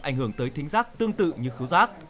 ảnh hưởng tới thính giác tương tự như khứ giác